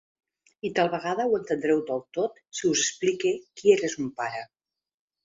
I tal vegada ho entendreu del tot si us explique qui era son pare.